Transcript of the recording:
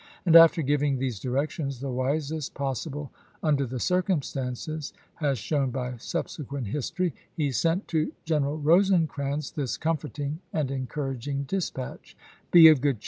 And after ajso ms. giving these directions, the wisest possible under the circumstances, as shown by subsequent history, he sent to General Rosecrans this comforting and encouraging dispatch : "Be of good cheer.